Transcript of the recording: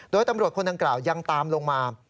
โดยตำรวจคนดังกล่าวยังตามลงมา